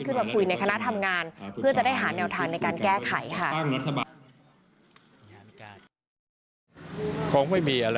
ขึ้นมาคุยในคณะทำงานเพื่อจะได้หาแนวทางในการแก้ไขค่ะ